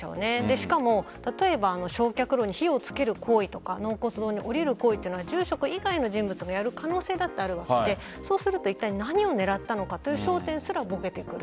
しかも例えば焼却炉に火をつける行為とか納骨堂に降りる行為は住職以外の人物がやる可能性だってあるわけでそうするといったい何をねらったのかという焦点すらぼけてくる。